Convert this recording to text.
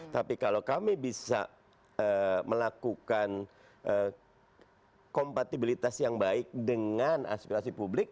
tapi kalau kami bisa melakukan kompatibilitas yang baik dengan aspirasi publik